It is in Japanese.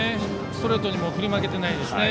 ストレートにも振り負けていないですね。